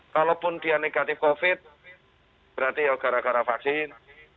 kalaupun dia negatif covid berarti ya gara gara vaksin